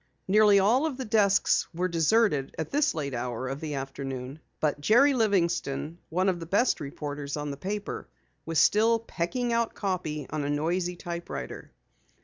Nearly all of the desks were deserted at this late hour of the afternoon. But Jerry Livingston, one of the best reporters on the paper, was still pecking out copy on a noisy typewriter.